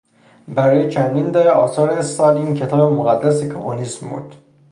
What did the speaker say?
برای چندین دهه آثار استالین کتاب مقدس کمونیسم بود.